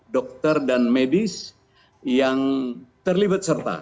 dokter dan medis yang terlibat serta